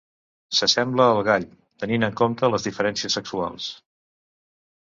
S'assembla al gall, tenint en compte les diferències sexuals.